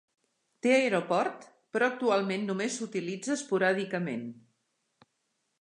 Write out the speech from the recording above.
Té aeroport però actualment només s'utilitza esporàdicament.